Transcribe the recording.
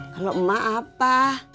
kalau emak apa